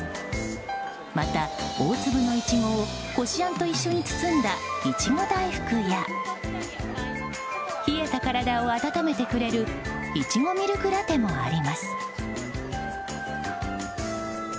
また、大粒のイチゴをこしあんと一緒に包んだいちご大福や冷えた体を温めてくれるイチゴミルクラテもあります。